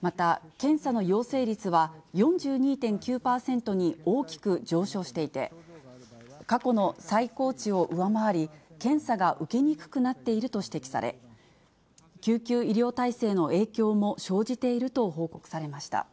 また、検査の陽性率は、４２．９％に大きく上昇していて、過去の最高値を上回り、検査が受けにくくなっていると指摘され、救急医療体制の影響も生じていると報告されました。